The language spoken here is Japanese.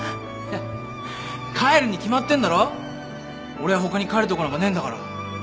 俺はほかに帰るとこなんかねえんだから。